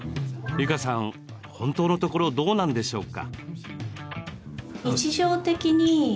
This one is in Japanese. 悠加さん、本当のところどうなんでしょうか？